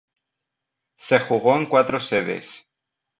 Se jugó en cuatro sedes.